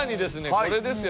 これですよ。